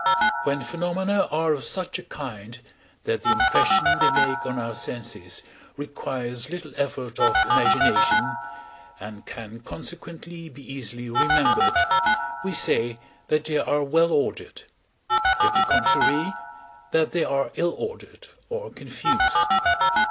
When phenomena are of such a kind, that the impression they make on our senses requires little effort of imagination, and can consequently be easily remembered, we say that they are well ordered; if the contrary, that they are ill ordered or confused.